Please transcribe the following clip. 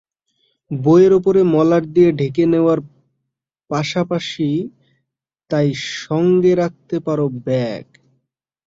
বইয়ের ওপরে মলাট দিয়ে ঢেকে নেওয়ার পাশপাশি তাই সঙ্গে রাখতে পারো ব্যাগ।